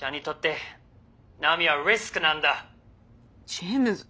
ジェームズ